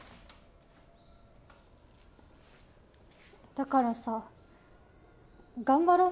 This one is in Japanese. だからさぁ頑張ろう。